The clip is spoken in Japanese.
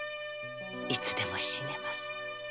いつでも死ねます。